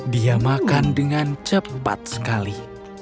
dia makan dengan cepat sekali